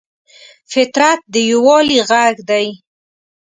فطرت د یووالي غږ دی.